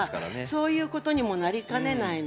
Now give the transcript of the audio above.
そういうことにもなりかねないので。